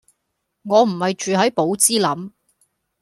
我唔係住係寶芝林